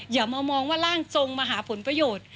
อย่ามามองว่าร่างทรงมาหาผลประโยชน์